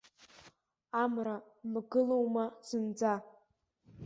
Амра мгылома зынӡа?